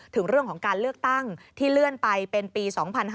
ถึงเรื่องของการเลือกตั้งที่เลื่อนไปเป็นปี๒๕๕๙